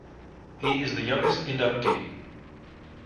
He is the youngest inductee.